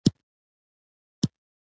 د خدای تخلیق